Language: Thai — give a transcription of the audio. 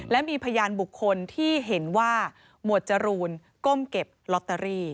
และมีพยานบุคคลที่เห็นว่าหมวดจรูนก้มเก็บลอตเตอรี่